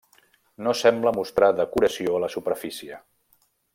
No sembla mostrar decoració a la superfície.